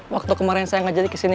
waktu kemarin saya ngejali ke sini